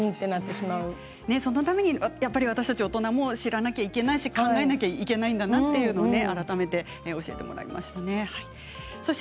そのために私たちも知らなくてはいけないし考えなくてはいけないということを改めて教えてもらいました。